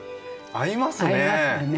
合いますよね。